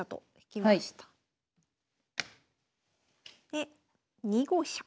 で２五飛車。